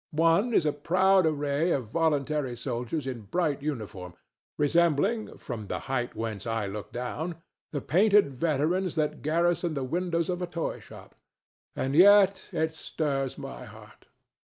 One is a proud array of voluntary soldiers in bright uniform, resembling, from the height whence I look down, the painted veterans that garrison the windows of a toy shop. And yet it stirs my heart.